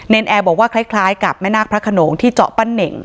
เนนแอบบอกว่าคล้ายคล้ายกับแม่นาคพระขนงที่เจาะปั้นเหน็ง